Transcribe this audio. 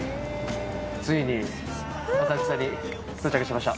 ついに浅草に到着しました。